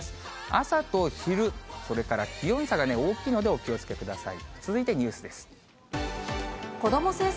朝と昼、それから気温差がね、大きいのでお気をつけください。